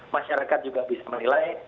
masyarakat juga bisa menilai